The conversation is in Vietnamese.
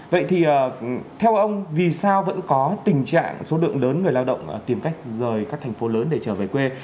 vậy thì theo ông vì sao vẫn có tình trạng số lượng lớn người lao động tìm cách rời các thành phố lớn để trở về quê